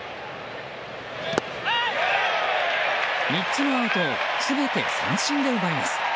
３つのアウトを全て三振で奪います。